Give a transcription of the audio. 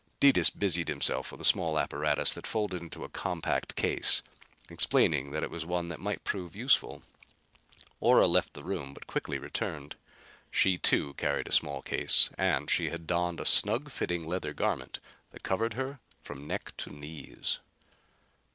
Detis busied himself with a small apparatus that folded into a compact case, explaining that it was one that might prove useful. Ora left the room but quickly returned. She too carried a small case, and she had donned a snug fitting leather garment that covered her from neck to knees.